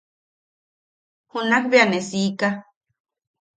Junak bea ne siika.